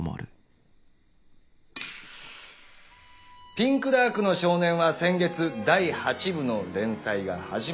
「ピンクダークの少年」は先月第８部の連載が始まったばかりだ。